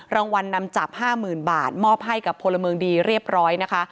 รางวัลนำจับ๕๐๐๐บาทมอบให้กับพลเมืองดีเรียบร้อยนะคะ